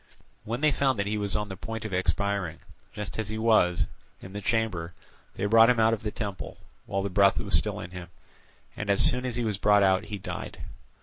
When they found that he was on the point of expiring, just as he was, in the chamber, they brought him out of the temple, while the breath was still in him, and as soon as he was brought out he died.